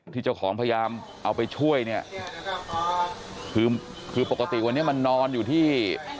ที่เจ้าของพยายามเอาไปช่วยเนี่ยคือคือปกติวันนี้มันนอนอยู่ที่